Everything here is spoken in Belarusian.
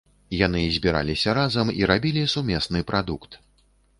Яны збіраліся разам і рабілі сумесны прадукт.